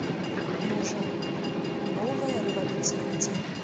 Можа, новая рэвалюцыя ідзе.